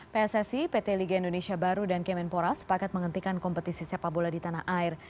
pssi pt liga indonesia baru dan kemenpora sepakat menghentikan kompetisi sepak bola di tanah air